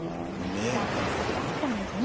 歌がお好きだったんですね。